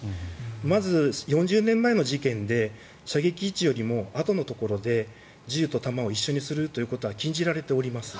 まず、４０年前の事件で射撃位置よりもあとのところで銃と弾を一緒にするということは禁じられております。